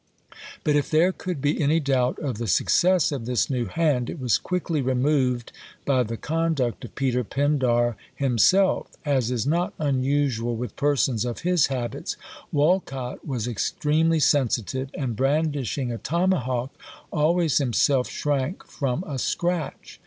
But if there could be any doubt of the success of this new hand, it was quickly removed by the conduct of Peter Pindar himself. As is not unusual with persons of his habits, Wolcot was extremely sensitive, and, brandishing a tomahawk, always himself shrank from a scratch.